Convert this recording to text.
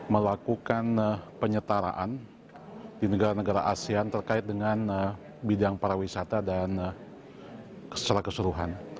melakukan penyetaraan di negara negara asean terkait dengan bidang pariwisata dan setelah keseluruhan